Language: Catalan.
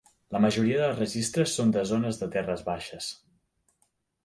La majoria dels registres són de zones de terres baixes.